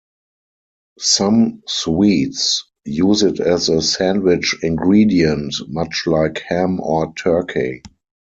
Some Swedes use it as a sandwich ingredient, much like ham or turkey.